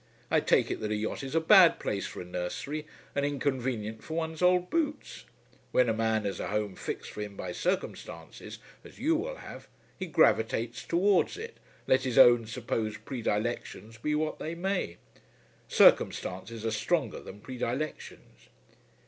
I take it that a yacht is a bad place for a nursery, and inconvenient for one's old boots. When a man has a home fixed for him by circumstances, as you will have, he gravitates towards it, let his own supposed predilections be what they may. Circumstances are stronger than predilections."